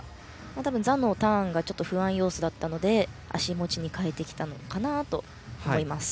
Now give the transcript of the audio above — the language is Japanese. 多分、座のターンが不安要素だったので足持ちに変えてきたのかなと思います。